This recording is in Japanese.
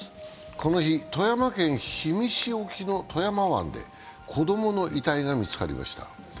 この日、富山県氷見市沖の富山湾で子どもの遺体が見つかりました。